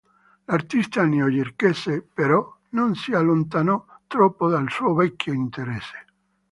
L'artista newyorkese, però, non si allontanò troppo dal suo vecchio interesse.